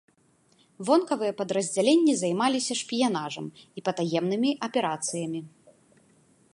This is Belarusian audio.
Вонкавыя падраздзяленні займаліся шпіянажам і патаемнымі аперацыямі.